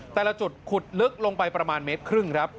แต่ละจุดขุดลึกลงไปประมาณ๑๕เมตร